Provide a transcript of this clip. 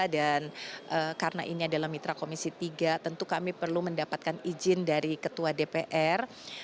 dan karena ini adalah mitra komisi tiga tentu kami perlu mendapatkan izin dari ketua dpr